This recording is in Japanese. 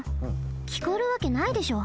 きこえるわけないでしょ。